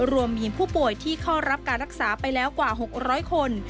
รวมมีผู้ป่วยที่เข้ารับการรักษาไปแล้วกว่า๖๐๐คน